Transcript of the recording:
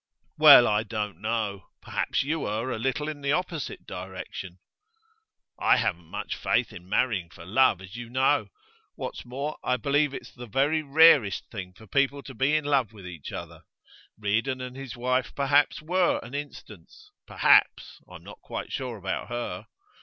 'Well, I don't know. Perhaps you err a little in the opposite direction.' 'I haven't much faith in marrying for love, as you know. What's more, I believe it's the very rarest thing for people to be in love with each other. Reardon and his wife perhaps were an instance; perhaps I'm not quite sure about her.